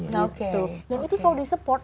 dan itu selalu di support